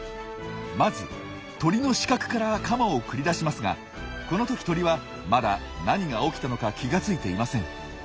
まず鳥の死角からカマを繰り出しますがこの時鳥はまだ何が起きたのか気が付いていません。